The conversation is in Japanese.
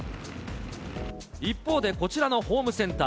一方でこちらのホームセンター。